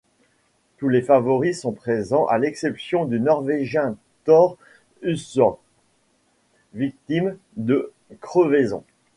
Tous les favoris sont présents à l'exception du norvégien Thor Hushovd, victime de crevaisons.